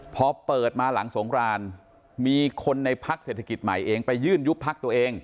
พอเปิดมาหลังสงครานมีคนในพักเศรษฐกิจใหม่เองไปยื่นยุบพักตัวเอง